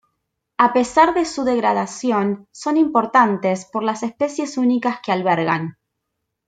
A pesar de su degradación son importantes por las especies únicas que albergan.